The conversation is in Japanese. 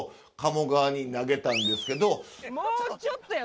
もうちょっとや。